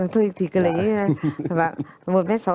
thôi thì cứ lấy